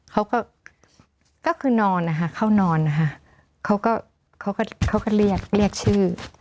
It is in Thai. เขาก็ก็คือนอนนะคะเข้านอนนะคะเขาก็เขาก็เรียกเรียกชื่อ